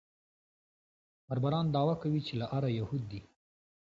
بربران دعوه کوي چې له آره یهود دي.